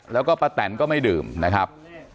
แล้วก็ป้าแตนก็ไม่ดื่มนะครับ